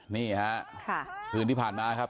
นี่ครับคืนนี้ผ่านมาครับ